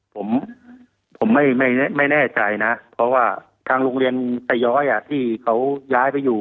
ผมผมไม่แน่ใจนะเพราะว่าทางโรงเรียนไซย้อยที่เขาย้ายไปอยู่